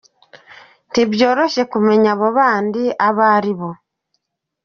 Ntibyoroshye kumenya abo “bandi” abo ari bo.